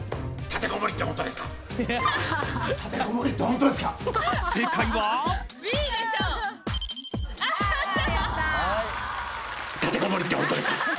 「立てこもりって本当ですか」